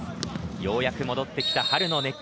ようやく戻ってきた春の熱気。